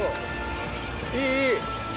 いいいい。